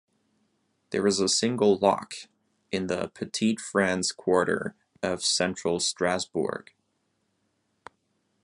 There is a single lock, in the Petite France quarter of central Strasbourg.